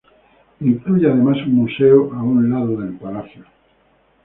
Incluye además un museo a un lado del palacio.